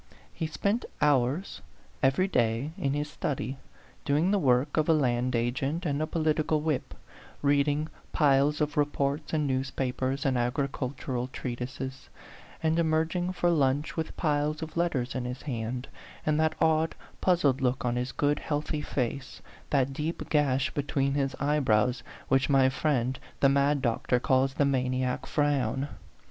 He spent hours every 34 A PHANTOM LOVER. day in his study, doing the work of a land agent and a political whip, reading piles of reports and newspapers and agricultural treatises, and emerging for lunch with piles of letters in his hand, and that odd, puzzled look in his good, healthy face, that deep gash between his eyebrows which my friend the mad doctor calls the maniac frown.